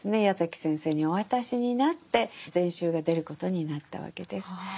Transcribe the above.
矢崎先生にお渡しになって全集が出ることになったわけです。